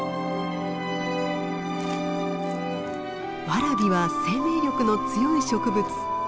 ワラビは生命力の強い植物。